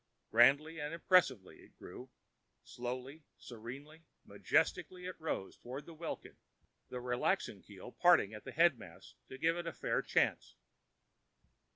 Grandly and impressively it grew—slowly, serenely, majestically it rose toward the welkin, the relaxing keel parting the mastheads to give it a fair chance.